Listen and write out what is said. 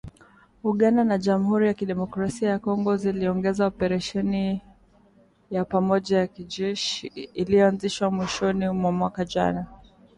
Uganda na Jamhuri ya Kidemokrasia ya Kongo ziliongeza operesheni ya pamoja ya kijeshi iliyoanzishwa mwishoni mwa mwaka jana